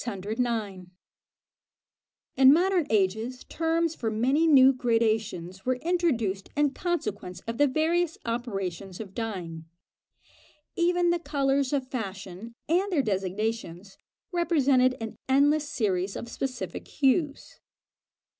In modern ages terms for many new gradations were introduced in consequence of the various operations of dyeing. Even the colours of fashion and their designations, represented an endless series of specific hues.